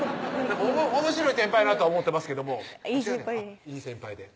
おもしろい先輩やなとは思ってますけどもいい先輩です